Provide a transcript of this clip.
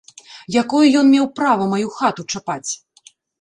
Якое ён меў права маю хату чапаць?